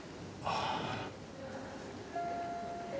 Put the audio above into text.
ああ。